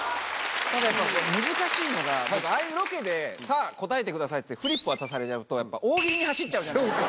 ただ難しいのが僕ああいうロケで「さぁ答えてください」ってフリップ渡されちゃうとやっぱ大喜利に走っちゃうじゃないですか。